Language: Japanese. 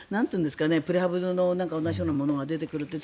プレハブと同じようなものが出てくるという。